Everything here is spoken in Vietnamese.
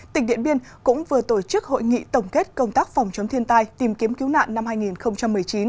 tỉnh điện biên cũng vừa tổ chức hội nghị tổng kết công tác phòng chống thiên tai tìm kiếm cứu nạn năm hai nghìn một mươi chín